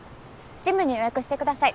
ジムに予約してください。